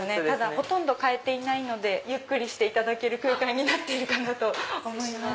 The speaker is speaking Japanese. ほとんど変えていないのでゆっくりしていただける空間になっているかなと思います。